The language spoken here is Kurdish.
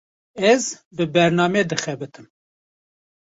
Ez, bi bername dixebitim